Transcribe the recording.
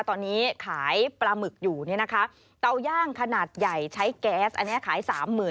ตอนนี้ขายปลาหมึกอยู่เนี่ยนะคะเตาย่างขนาดใหญ่ใช้แก๊สอันนี้ขาย๓๐๐๐